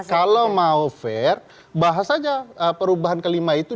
kalau mau fair bahas aja perubahan kelima itu